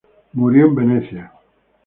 Murió en Venecia.